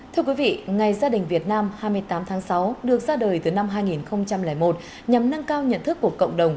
thưa quý vị ngày gia đình việt nam hai mươi tám tháng sáu được ra đời từ năm hai nghìn một nhằm nâng cao nhận thức của cộng đồng